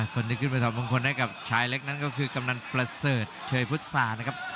คนที่ขึ้นไปถอดมงคลให้กับชายเล็กนั้นก็คือกำนันประเสริฐเชยพุษานะครับ